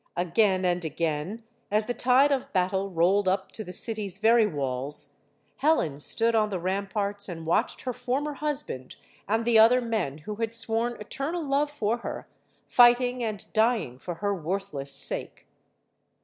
Again and again, as the tide of battle rolled up to the city's very walls, Helen stood on the ramparts and watched her former husband and the other men who had sworn eternal love for her, fighting and dying for her worthless sake.